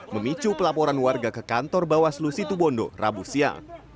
memicu pelaporan warga ke kantor bawaslu situbondo rabu siang